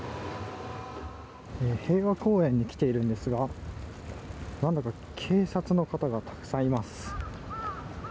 平和公園に来ているんですが警察の方がたくさんいます。